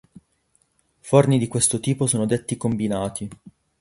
Forni di questo tipo sono detti "combinati".